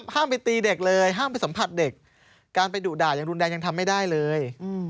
ไปตีเด็กเลยห้ามไปสัมผัสเด็กการไปดุด่ายังรุนแรงยังทำไม่ได้เลย